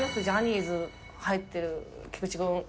ジャニーズ入ってる菊池君。